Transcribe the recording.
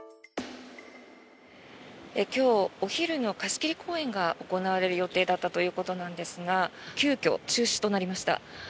今日お昼の貸し切り公演が行われる予定だったということですが急きょ中止となりました。